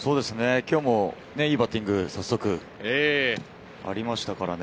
今日もいいバッティング、早速ありましたからね。